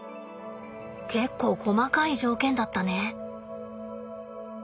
結構細かい条件だったね。